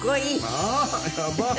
ああーやばっ。